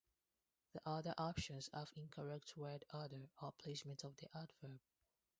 The other options have incorrect word order or placement of the adverb.